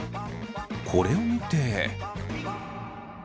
これを見て。